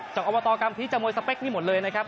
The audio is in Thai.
จากอวตกรรมพิธรจะมวยสเปกนี้หมดเลยนะครับ